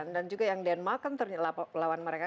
dan juga yang denmark kan ternyata lawan mereka